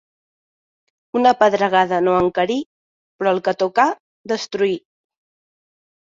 Una pedregada no encarí, però el que tocà destruí.